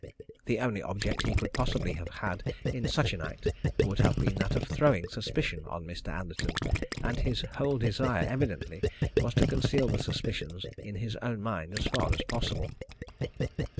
The only object he could possibly have had in such an act would have been that of throwing suspicion on Mr. Anderton, and his whole desire evidently was to conceal the suspicions in his own mind as far as possible.